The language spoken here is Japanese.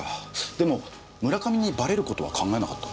でも村上にバレることは考えなかった？